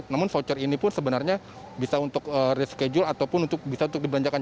namun voucher ini pun sebenarnya bisa untuk reschedule ataupun bisa untuk dibelanjakan